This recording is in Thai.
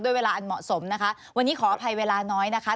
เวลาอันเหมาะสมนะคะวันนี้ขออภัยเวลาน้อยนะคะ